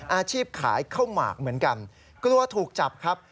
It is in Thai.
อาชีพขายข้าวหมากเหมือนกันกลัวถูกจับครับ